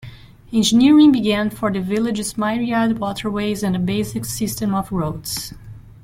Engineering began for the village's myriad waterways and a basic system of roads.